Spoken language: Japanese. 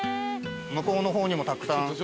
向こうの方にもたくさん。